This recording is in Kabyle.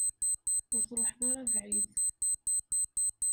Ur truḥeḍ ara bɛid.